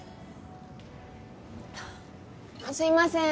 すいません